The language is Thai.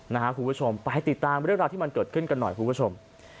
คุณผู้ชมไปติดตามเรื่องราวที่มันเกิดขึ้นกันหน่อยคุณผู้ชม